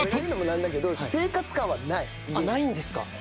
ないんですか？